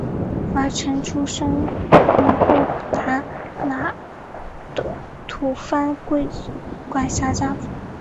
法成出生于后藏达那的吐蕃贵族管氏家族。